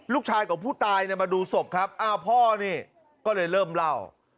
ลูกชายกับผู้ตายมาดูสมบครับพ่อเนี่ยก็เลยเลิกเล่า